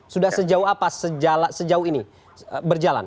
sudah sejauh apa sejauh ini berjalan